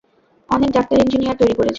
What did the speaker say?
অনেক doctor, engineer তৈরি করেছি।